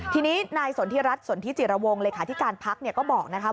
ทีนี้ในส่วนที่รัฐส่วนที่จิรวงเลยคาทิการภักดิ์ก็บอกนะครับ